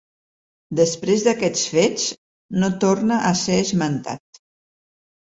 Després d’aquests fets no torna a ser esmentat.